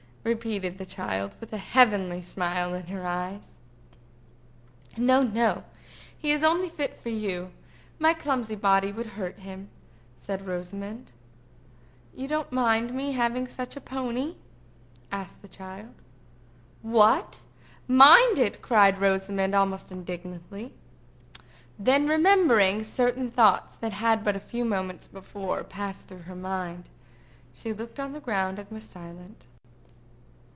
repeated the child, with a heavenly smile in her eyes. "No, no; he is fit only for you. My clumsy body would hurt him," said Rosamond. "You don't mind me having such a pony?" said the child. "What! mind it?" cried Rosamond, almost indignantly. Then remembering certain thoughts that had but a few moments before passed through her mind, she looked on the ground and was silent.